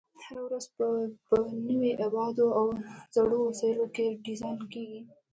هره ورځ به په نویو ابعادو او زړو وسایلو کې ډیزاین کېږي.